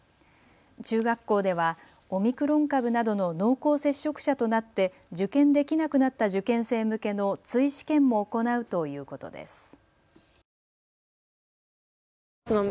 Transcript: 中学校ではオミクロン株などの濃厚接触者となって受験できなくなった受験生向けの追試験も行うということです。